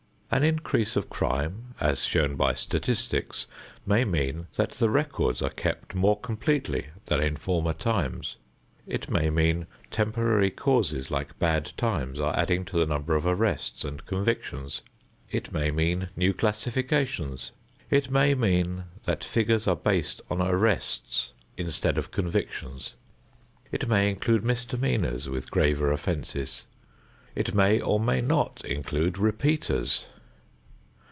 An increase of crime, as shown by statistics, may mean that the records are kept more completely than in former times. It may mean temporary causes like bad times are adding to the number of arrests and convictions. It may mean new classifications. It may mean that figures are based on arrests instead of convictions. It may include misdemeanors with graver offenses. It may or may not include repeaters.